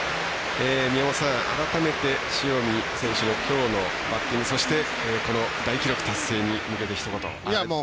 宮本さん、改めて塩見選手のきょうのバッティングそして、この大記録達成に対してひと言。